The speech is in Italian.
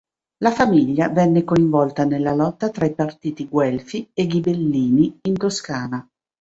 La famiglia venne coinvolta nella lotta tra i partiti guelfi e ghibellini in Toscana.